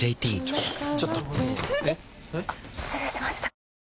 あっ失礼しました。